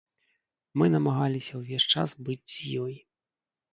Мы намагаліся ўвесь час быць з ёй.